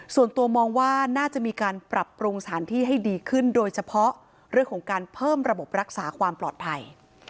ส่วนตัวมองว่าน่าจะมีการปรับปรุงสถานที่ให้ดีขึ้นโดยเฉพาะเรื่องของการเพิ่มระบบรักษาความปลอดภัย